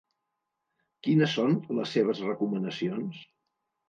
Quines són les seves recomanacions?